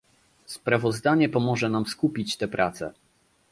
Sprawozdanie pomoże nam skupić te prace